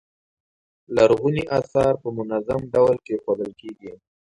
لرغوني اثار په منظم ډول کیښودل شول.